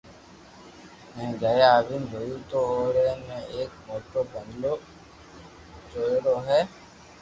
ھين گھري آوين جويو تو او ري تي ايڪ موٽو بنگلو ٺيو ڙو ھي